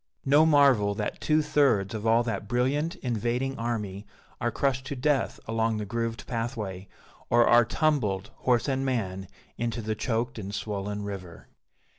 No marvel that two thirds of all that brilliant invading army are crushed to death along the grooved pathway, or are tumbled, horse and man, into the choked and swollen river.